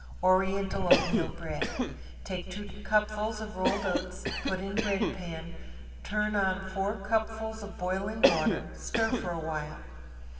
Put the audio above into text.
~ORIENTAL OATMEAL BREAD~ Take two cupfuls of rolled oats, put in bread pan, turn on four cupfuls of boiling water, stir for awhile.